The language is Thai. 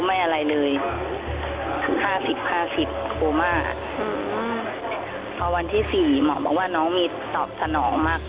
พอนอนไอซียู๓วันแรกอาการไม่ตอบพระน้องเลยค่ะ